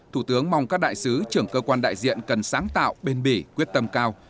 thủ tướng mong các đại sứ trưởng cơ quan đại diện cần sáng tạo bền bỉ quyết tâm cao